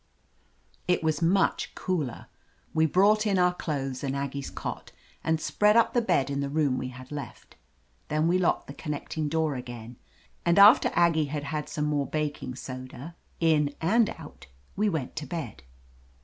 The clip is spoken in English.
It was much cooler. We brought in our clothes and Aggie's cot, and spread up the bed in the room we had left. Then we locked the connecting door again, and after Aggie had 2^8 «T». OF LETITIA CARBERRY had some more baking soda, in and out, we went to bed.